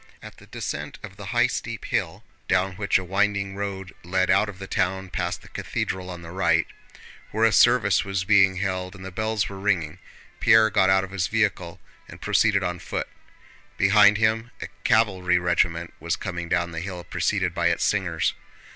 At the descent of the high steep hill, down which a winding road led out of the town past the cathedral on the right, where a service was being held and the bells were ringing, Pierre got out of his vehicle and proceeded on foot. Behind him a cavalry regiment was coming down the hill preceded by its singers.